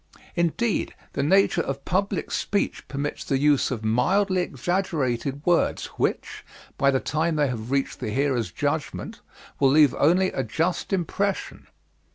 Indeed, the nature of public speech permits the use of mildly exaggerated words which, by the time they have reached the hearer's judgment, will leave only a just impression."